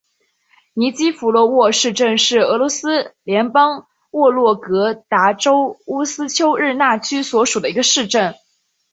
尼基福罗沃市镇是俄罗斯联邦沃洛格达州乌斯秋日纳区所属的一个市镇。